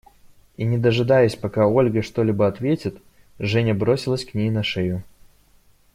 И, не дожидаясь, пока Ольга что-либо ответит, Женя бросилась к ней на шею.